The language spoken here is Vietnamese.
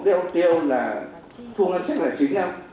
điều tiêu là thu ngân sách là chính